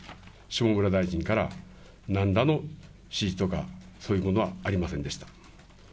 下村大臣からなんらの指示とかそういうものはありませんでした。